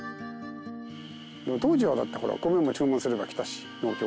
当時はだってほら米も注文すれば来たし農協から。